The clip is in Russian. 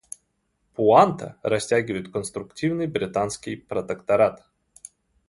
Пуанта растягивает конструктивный британский протекторат.